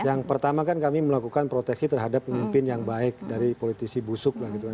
yang pertama kan kami melakukan proteksi terhadap pemimpin yang baik dari politisi busuk lah gitu kan